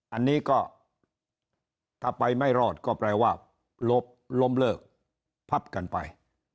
อันนี้ก็ถ้าไปไม่รอดก็แปลว่าล้มเลิกพับกันไป